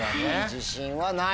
自信はない。